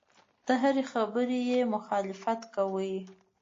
د هرې خبرې یې مخالفت کاوه.